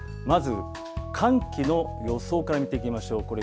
まず寒気の予想から見てみましょう。